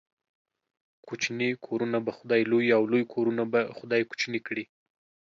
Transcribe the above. کوچني کورونه به خداى لوى ، او لوى کورونه به خداى کوچني کړي.